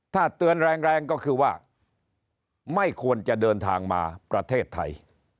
ถ้าเตือนแรงก็คือว่าไม่ควรจะเดินทางมาประเทศไทย